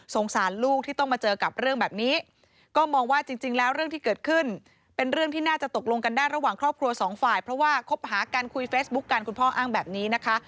สารลูกที่ต้องมาเจอกับเรื่องแบบนี้ก็มองว่าจริงแล้วเรื่องที่เกิดขึ้นเป็นเรื่องที่น่าจะตกลงกันได้ระหว่างครอบครัวสองฝ่ายเพราะว่าคบหากันคุยเฟซบุ๊คกันคุณพ่ออ้างแบบนี้นะคะ